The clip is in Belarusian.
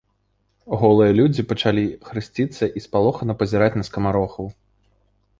Голыя людзі пачалі хрысціцца і спалохана пазіраць на скамарохаў.